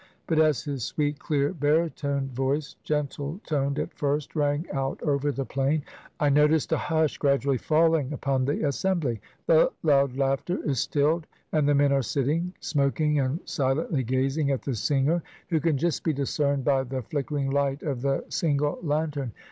But as his sweet, clear, baritone voice, gentle toned at first, rang out over the plain, I noticed a hush gradually falUng upon the assembly. The loud laughter is stilled, and the men are sitting smoking and silently gazing at the singer, who can just be discerned by the flickering light of the single lantern.